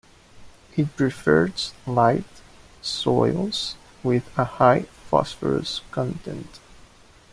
It prefers light soils with a high phosphorus content.